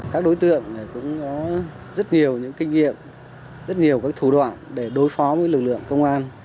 có rất nhiều những kinh nghiệm rất nhiều các thủ đoạn để đối phó với lực lượng công an